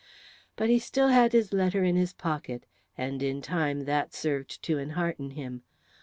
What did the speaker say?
But he still had his letter in his pocket, and in time that served to enhearten him.